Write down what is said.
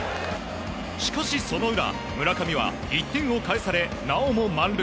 しかし、その裏、村上は１点を返され、なおも満塁。